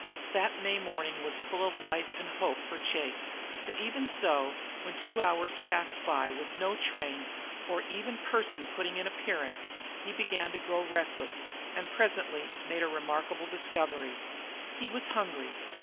That May morning was full of life and hope for Chase, but even so, when two hours passed by with no train or even person putting in appearance, he began to grow restless and presently made a remarkable discovery. He was hungry.